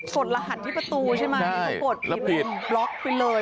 กดรหัสที่ประตูใช่ไหมใช่แล้วผิดมันต้องกดไปเลย